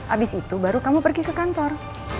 abis itu baru kamu pergi ke kantor